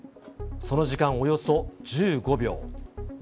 その時間およそ１５秒。